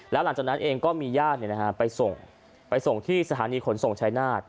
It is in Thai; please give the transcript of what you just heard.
แล้วหลังจากนั้นเองก็มีญาติไปส่งไปส่งที่สถานีขนส่งชายนาฏ